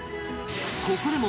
ここでも